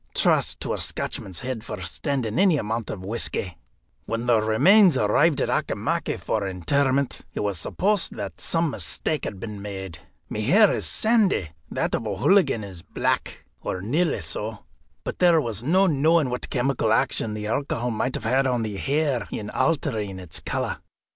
Trust to a Scotchman's head for standing any amount of whisky. When the remains arrived at Auchimachie for interment, it was supposed that some mistake had been made. My hair is sandy, that of O'Hooligan is black, or nearly so; but there was no knowing what chemical action the alcohol might have on the hair in altering its colour.